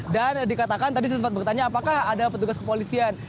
dan dikatakan tadi saya sempat bertanya apakah ada petugas kepolisian